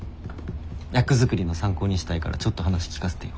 役作りの参考にしたいからちょっと話聞かせてよ。